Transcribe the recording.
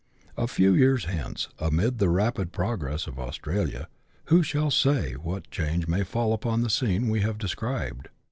A few years hence, amid the rapid progress of Australia, who shall say what change may fall upon the scene we have described